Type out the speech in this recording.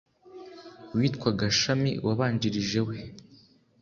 witwaga shami, wabanjirije we